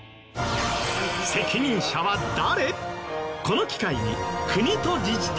責任者は誰？